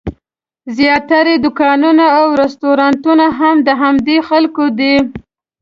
زیاتره دوکانونه او رسټورانټونه هم د همدې خلکو دي.